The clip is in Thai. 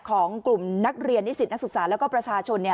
ของกลุ่มนักเรียนนิสิตนักศึกษาแล้วก็ประชาชน